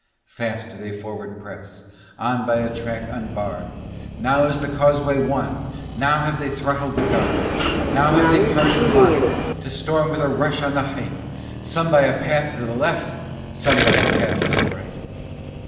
Fast do they forward press, on by a track unbarred; Now is the causeway won, now have they throttled the guard; Now have they parted line to storm with a rush on the height, Some by a path to the left, some by a path to the right.